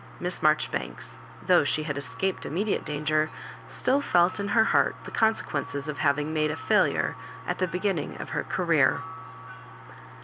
Miss Maijoribanks, though she had escaped immediate danger, still felt in her heart the conse quences of havmg made a failure at the beginning of her career.